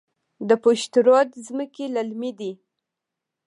د پشت رود ځمکې للمي دي